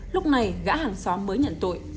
lúc này gã hàng xóm mới nhận tội